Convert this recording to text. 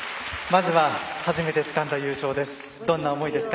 まずは初めてつかんだ優勝です。